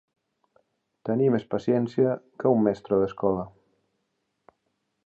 Tenir més paciència que un mestre d'escola.